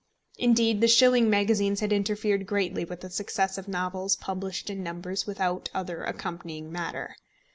Indeed the shilling magazines had interfered greatly with the success of novels published in numbers without other accompanying matter.